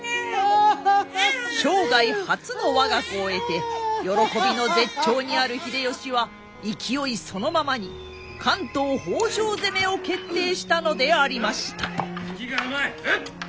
生涯初の我が子を得て喜びの絶頂にある秀吉は勢いそのままに関東北条攻めを決定したのでありました。